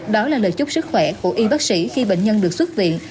đó là lời chúc sức khỏe của y bác sĩ khi bệnh nhân được xuất viện